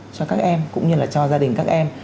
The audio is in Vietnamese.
cho các em cũng như là cho gia đình các em